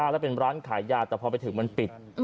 แล้วเป็นร้านขายยาแต่พอไปถึงมันปิด